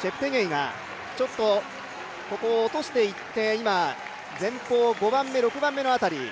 チェプテゲイがここを落としていって、今、前方５番目、６番目の辺り。